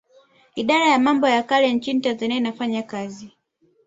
Idara ya mambo ya kale nchini Tanzania inafanya kazi